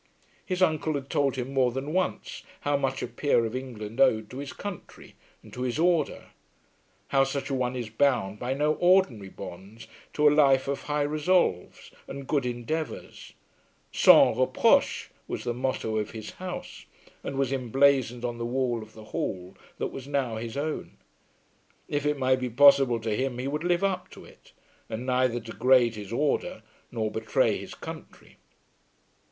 His uncle had told him more than once how much a peer of England owed to his country and to his order; how such a one is bound by no ordinary bonds to a life of high resolves, and good endeavours. "Sans reproche" was the motto of his house, and was emblazoned on the wall of the hall that was now his own. If it might be possible to him he would live up to it and neither degrade his order nor betray his country.